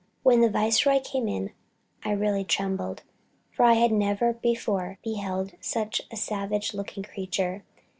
"When the Viceroy came in I really trembled, for I never before beheld such a savage looking creature.